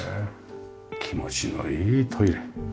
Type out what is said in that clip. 気持ちのいいトイレ。